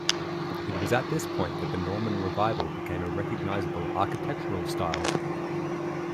It was at this point that the Norman Revival became a recognisable architectural style.